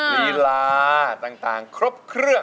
ลีลาต่างครบเครื่อง